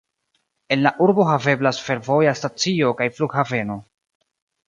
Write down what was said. En la urbo haveblas fervoja stacio kaj flughaveno.